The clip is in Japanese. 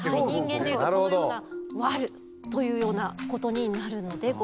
人間で言うとこのような悪というようなことになるのでございます。